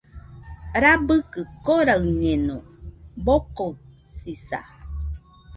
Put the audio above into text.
Rabɨkɨ koraɨñeno, bokoɨsisa.